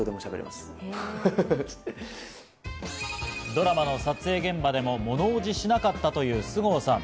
ドラマの撮影現場でもものおじしなかったという菅生さん。